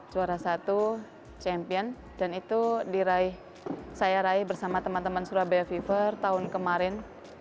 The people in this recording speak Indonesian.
juara satu champion dan itu saya raih bersama teman teman surabaya fever tahun kemarin